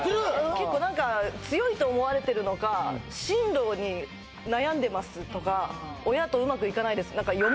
結構何か強いと思われてるのか「進路に悩んでます」とか「親とうまくいかないです」